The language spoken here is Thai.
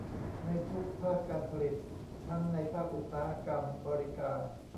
ในทุกภาคการผลิตทั้งในภาคอุตสาหกรรม บริการ